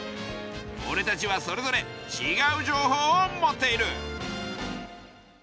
おれたちはそれぞれちがう情報を持っている！